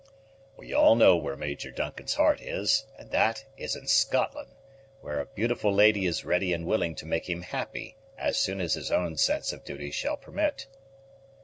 "We all know where Major Duncan's heart is, and that is in Scotland, where a beautiful lady is ready and willing to make him happy, as soon as his own sense of duty shall permit."